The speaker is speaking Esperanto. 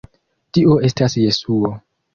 Tio estas Jesuo.